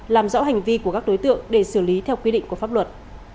làm rõ hành vi của các đối tượng để xử lý theo quy định của pháp luật